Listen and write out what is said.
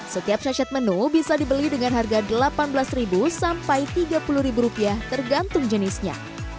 setiap caset menu bisa dibeli dengan harga rp delapan belas sampai rp tiga puluh rupiah tergantung jenisnya